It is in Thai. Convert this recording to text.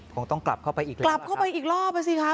คงต้องกลับเข้าไปอีกแล้วกลับเข้าไปอีกรอบอ่ะสิคะ